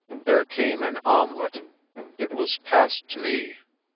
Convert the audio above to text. There came an omelette. It was passed to me.